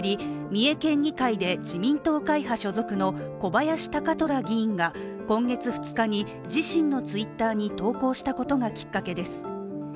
三重県議会で自民党会派所属の小林貴虎議員が、今月２日に自身のＴｗｉｔｔｅｒに投稿したことがきっかけです。